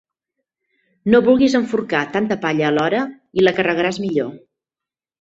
No vulguis enforcar tanta palla alhora i la carregaràs millor.